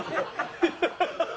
ハハハハ！